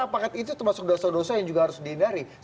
apakah itu termasuk dosa dosa yang juga harus dihindari